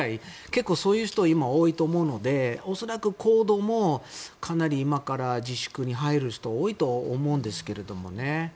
結構そういう人、今多いと思うので恐らく行動も今からかなり自粛に入る人多いと思うんですけれどもね。